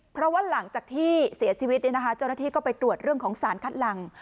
เพราะว่าหลังจากที่เสียชีวิตเจ้าหน้าที่ก็ไปตรวจเรื่องของสารคัดหลัง